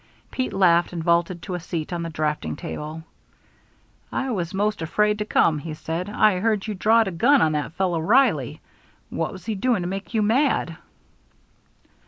Pete laughed and vaulted to a seat on the draughting table. "I was most afraid to come," he said. "I heard you drawed a gun on that fellow, Reilly. What was he doing to make you mad?"